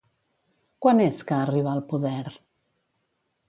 Quan és que arribà al poder?